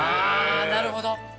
なるほど。